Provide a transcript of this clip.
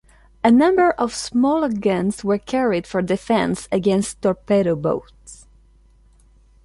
A number of smaller guns were carried for defence against torpedo boats.